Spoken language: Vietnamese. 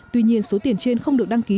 tuy nhiên số tiền trên không được đăng ký